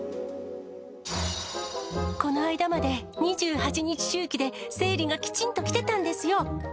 この間まで、２８日周期で生理がきちんと来てたんですよ。